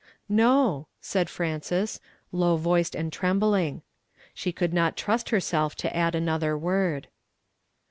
" No," said Frances, low voiced and trend>ling. She could not trust herself to add another word.